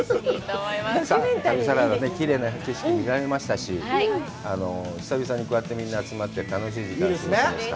さあ、旅サラダ、きれいな景色を見られましたし、久々にこうやってみんな集まって楽しかった。